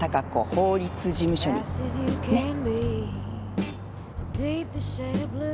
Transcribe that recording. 法律事務所にねっ。